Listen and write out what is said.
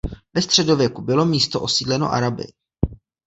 Ve středověku bylo místo osídleno Araby.